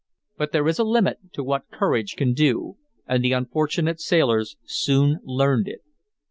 But there is a limit to what courage can do, and the unfortunate sailors soon learned it.